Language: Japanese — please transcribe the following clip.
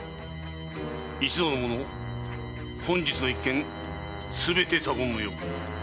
一同の者本日の一件すべて他言無用。